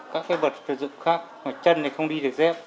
các bật trợ dụng khác chân thì không đi được dép